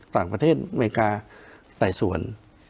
ต่างประเทศอเมริกาไต่สวน